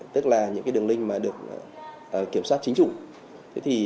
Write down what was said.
tức là những đường link mà được kiểm soát chính chủ